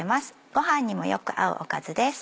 ごはんにもよく合うおかずです。